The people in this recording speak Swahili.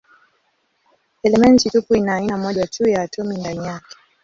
Elementi tupu ina aina moja tu ya atomi ndani yake.